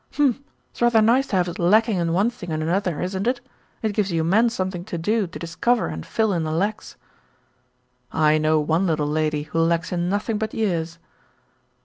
"Humph! It's rather nice to have us lacking in one thing and another, isn't it? It gives you men something to do to discover and fill in the lacks." "I know one little lady who lacks in nothing but years."